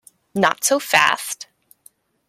Not so fast.